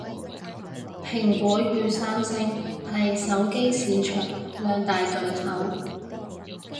蘋果與三星係手機市場兩大巨頭